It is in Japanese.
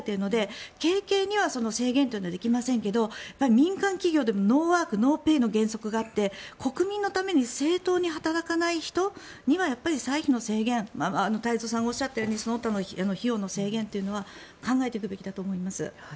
憲法で国会議員だというのは歳費を受け取る権利があるわけですが民間企業でノーワークノーペイの原則があって国民のために正当に働かない人には歳費の制限太蔵さんがおっしゃったようにその他の費用の制限は考えていくべきだと思います。